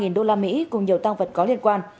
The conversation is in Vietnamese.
ba usd cùng nhiều tăng vật có liên quan